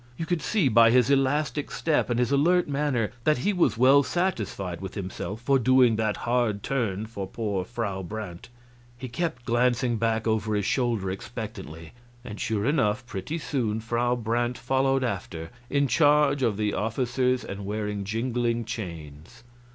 You could see by his elastic step and his alert manner that he was well satisfied with himself for doing that hard turn for poor Frau Brandt. He kept glancing back over his shoulder expectantly. And, sure enough, pretty soon Frau Brandt followed after, in charge of the officers and wearing jingling chains.